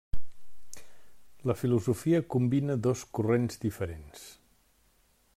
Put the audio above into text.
La filosofia combina dos corrents diferents.